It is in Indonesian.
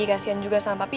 kasian juga sama papi